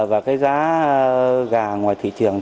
và cái giá gà ngoài thị trường